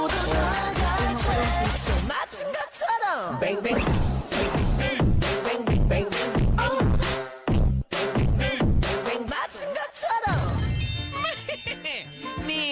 เท่าไหร่นะครับ